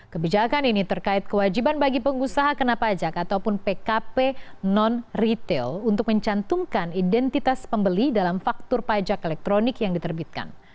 kebijakan ini terkait kewajiban bagi pengusaha kena pajak ataupun pkp non retail untuk mencantumkan identitas pembeli dalam faktur pajak elektronik yang diterbitkan